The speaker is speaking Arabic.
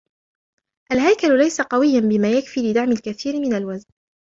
الهيكل ليس قوياً بما يكفي لدعم الكثير من الوزن.